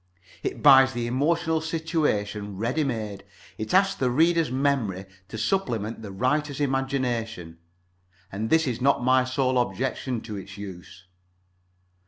It buys the emotional situation ready made. It asks the reader's memory to supplement the writer's imagination. And this is not my sole objection to its use.